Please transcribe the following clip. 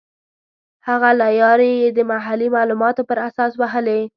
هغه لیارې یې د محلي معلوماتو پر اساس وهلې.